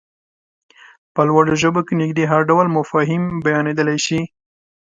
په لوړو ژبو کې نږدې هر ډول مفاهيم بيانېدلای شي.